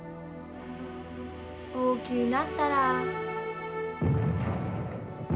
大きゅうなったら。